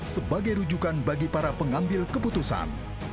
sebagai rujukan bagi para pengambil keputusan